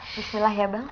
bismillah ya bang